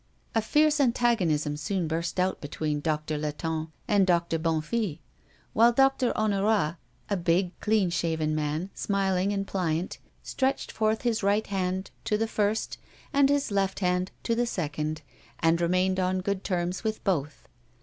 A fierce antagonism soon burst out between Doctor Latonne and Doctor Bonnefille, while Doctor Honorat, a big, clean shaven man, smiling and pliant, stretched forth his right hand to the first, and his left hand to the second, and remained on good terms with both.